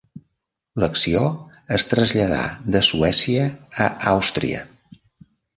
L'acció es traslladà de Suècia a Àustria.